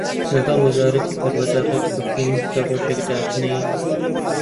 لەگەڵ وەزارەتی پەروەردە ڕێک کەوتووین کە ڕۆژێک دابنێین